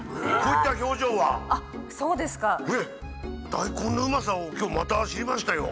大根のうまさを今日また知りましたよ。